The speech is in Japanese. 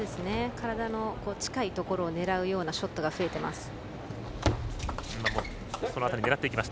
体に近いところを狙うようなショットが増えています。